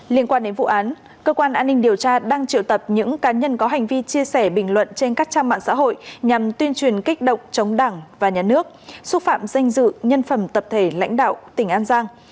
liên quan đến vụ án cơ quan an ninh điều tra đang triệu tập những cá nhân có hành vi chia sẻ bình luận trên các trang mạng xã hội nhằm tuyên truyền kích động chống đảng và nhà nước xúc phạm danh dự nhân phẩm tập thể lãnh đạo tỉnh an giang